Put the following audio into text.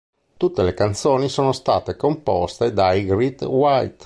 Tutte le canzoni sono state composte dai Great White.